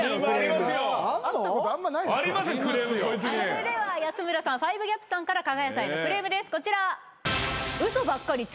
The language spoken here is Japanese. それでは安村さん５ＧＡＰさんからかが屋さんへのクレームですこちら。